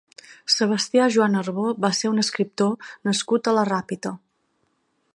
Sebastià Juan Arbó va ser un escriptor nascut a la Ràpita.